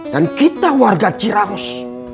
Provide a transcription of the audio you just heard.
dan kita warga ciraus